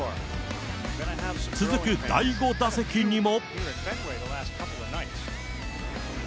続く第５打席にも。